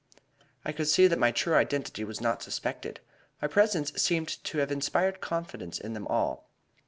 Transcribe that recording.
"I could see that my true identity was not suspected. My presence seemed to have inspired confidence in them all.